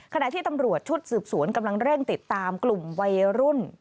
ขณะที่ตำรวจชุดสืบสวนกำลังเร่งติดตามกลุ่มวัยรุ่น